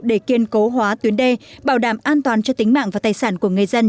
để kiên cố hóa tuyến đê bảo đảm an toàn cho tính mạng và tài sản của người dân